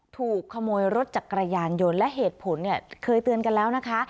ถูกขโมยรถจักรยานยนต์และเหตุผลเนี่ยเคยเตือนกันแล้วนะคะ